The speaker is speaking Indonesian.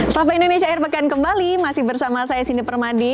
sapa indonesia akhir pekan kembali masih bersama saya sini permadi